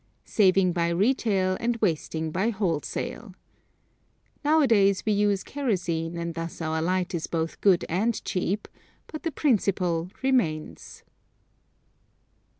Saving by retail and wasting by wholesale. Nowadays we use kerosene and thus our light is both good and cheap, but the principle remains.